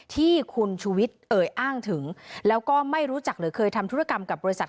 ที่คุณชูวิทย์เอ่ยอ้างถึงแล้วก็ไม่รู้จักหรือเคยทำธุรกรรมกับบริษัท